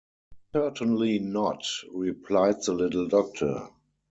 ‘Certainly not,’ replied the little doctor.